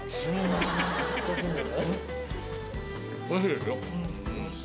おいしいですよ。